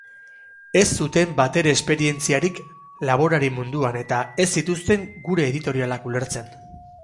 Ez zuten batere esperientzarik laborari munduan eta ez zituzten gure editorialak ulertzen.